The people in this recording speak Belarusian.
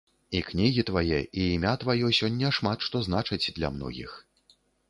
І кнігі твае і імя тваё сёння шмат што значаць для многіх.